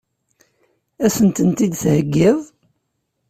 Ad sen-tent-id-theggiḍ?